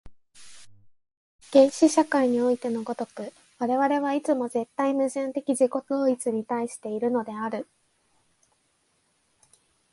原始社会においての如く、我々はいつも絶対矛盾的自己同一に対しているのである。